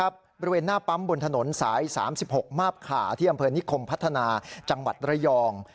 บริเวณหน้าปั๊มบนถนนสาย๓๖มาบขาที่อำเภอนิคมพัฒนาจังหวัดระยอง